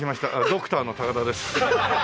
ドクターの高田です。